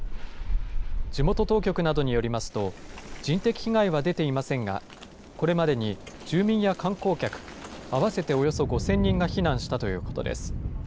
地元当局などによりますと、人的被害は出ていませんが、これまでに住民や観光客合わせておよそ５０００人が避難したということです。